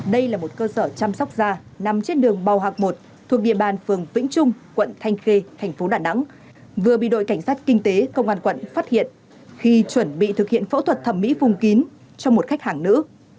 đây là một cơ sở chăm sóc da nằm trên đường bào hạc một thuộc địa bàn phường vĩnh trung quận thanh khê thành phố đà nẵng vừa bị đội cảnh sát kinh tế công an quận phát hiện khi chuẩn bị thực hiện phẫu thuật thẩm mỹ vùng kín cho một khách hàng nữ